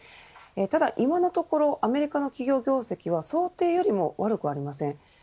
ただ、今のところアメリカの企業業績は想定よりも悪くはありません。